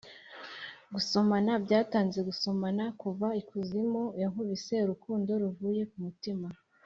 gusomana byatanze gusomana kuva ikuzimu, yankubise urukundo ruvuye ku mutima.